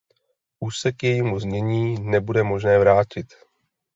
Už se k jejímu znění nebude možné vrátit.